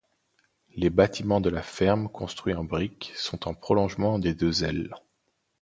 Les bâtiments de la ferme construits en briques sont en prolongement des deux ailes.